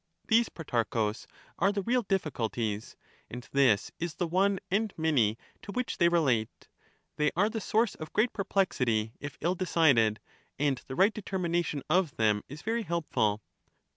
These, Protarchus, are the real difficulties, and this is the one and many to which they relate ; they are the source of great perplexity if ill decided, and the right determination of them is very helpful.